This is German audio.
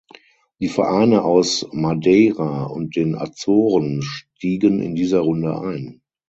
Die Vereine aus Madeira und den Azoren stiegen in dieser Runde ein.